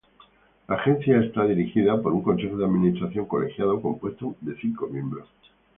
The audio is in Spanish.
La Agencia es dirigida por un Consejo de Administración colegiado, compuesto por cinco miembros.